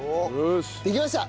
できました。